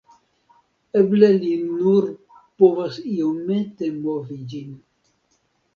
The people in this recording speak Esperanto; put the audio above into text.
Eble li nur povas iomete movi ĝin